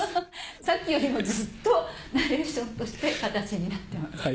さっきよりもずっとナレーションとして形になってます。